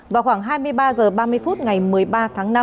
vào khoảng hai mươi ba h ba mươi phút ngày một mươi ba tháng năm